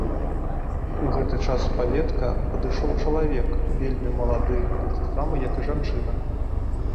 У гэты час з палетка падышоў чалавек, вельмі малады, такі самы, як і жанчына.